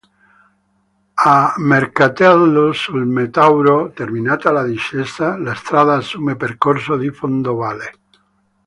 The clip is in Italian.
A Mercatello sul Metauro, terminata la discesa, la strada assume percorso di fondovalle.